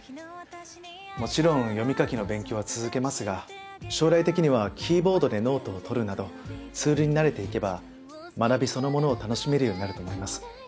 もちろん読み書きの勉強は続けますが将来的にはキーボードでノートをとるなどツールに慣れていけば学びそのものを楽しめるようになると思います。